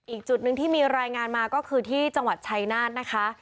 อีกจุดหนึ่งที่มีรายงานมาก็คือที่จังหวัดชัยนาธนะคะ